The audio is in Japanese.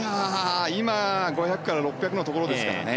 今、５００ｍから６００ｍのところですからね。